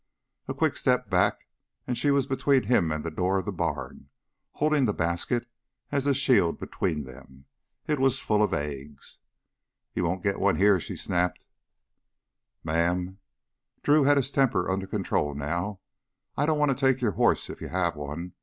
A quick step back and she was between him and the door of the barn, holding the basket as a shield between them. It was full of eggs. "You won't get one here!" she snapped. "Ma'am" Drew had his temper under control now "I don't want to take your horse if you have one.